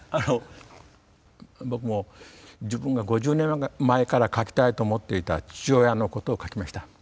僕も自分が５０年前から書きたいと思っていた父親のことを書きました。